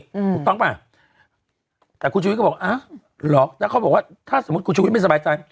ถูกต้องป่ะแต่กูชีวิตก็บอกหรอกแล้วเขาบอกว่าถ้าสมมติกูชีวิตไม่สบายใจ